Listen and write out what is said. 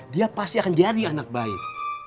dia pasti akan jadi anak baik